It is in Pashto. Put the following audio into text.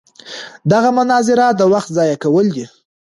دغه مناظره د وخت ضایع کول دي.